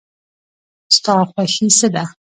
ستا خوښی څه ده؟